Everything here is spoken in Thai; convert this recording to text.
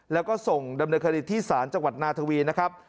แล้วก็ส่งดำเนินคดีที่ศาลจังหวัดนาทวีนะครับ